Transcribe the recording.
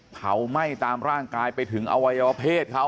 เผาไหม้ตามร่างกายไปถึงอวัยวเพศเขา